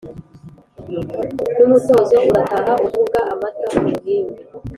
N'umutozo urataha uvuga amata ku ruhimbi